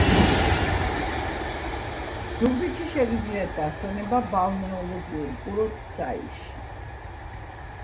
ზუგდიდში შეგიძლიათ დასვენება ბალნეოლოგიურ კურორტ ცაიშში